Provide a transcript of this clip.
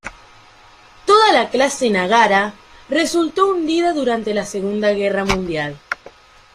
Toda la clase Nagara resultó hundida durante la Segunda Guerra Mundial.